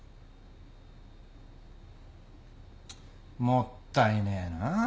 もったいねえな。